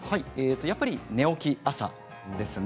やっぱり寝起き、朝ですね。